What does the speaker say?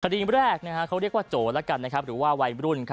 คดีแรกเขาเรียกว่าโจรหรือว่าวัยรุ่น